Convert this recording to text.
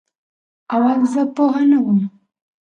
اول زه پوهه نه وم